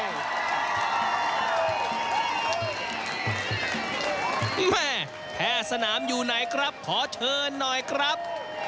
แม่แพทย์สนามอยู่ไหนครับขอเชิญหน่อยครับ